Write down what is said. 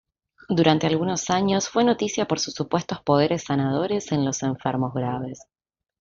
Durante algunos años fue noticia por sus supuestos poderes sanadores en los enfermos graves.